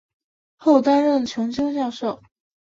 后担任琼州教授。